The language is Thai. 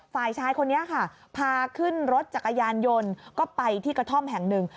ฝ่ายชายคนนี้ค่ะพาขึ้นรถจักรยานยนต์ก็ไปที่กระท่อมแห่งหนึ่ง